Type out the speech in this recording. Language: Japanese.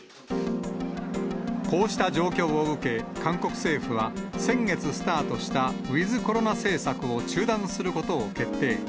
こうした状況を受け、韓国政府は、先月スタートしたウィズコロナ政策を中断することを決定。